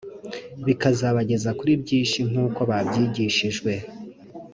bikazabageza kuri byinshi nk’uko babyigishijwe